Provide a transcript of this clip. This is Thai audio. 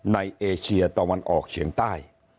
เอเชียตะวันออกเฉียงใต้